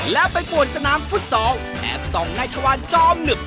แล้วไปปวดสนามฟุตซอลแอบส่องนายชวานจอมหนึบ